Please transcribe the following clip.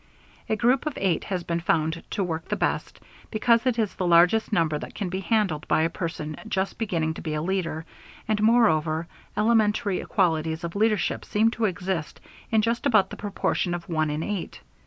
A group of eight has been found to work the best, because it is the largest number that can be handled by a person just beginning to be a leader, and, moreover, elementary qualities of leadership seem to exist in just about the proportion of one in eight.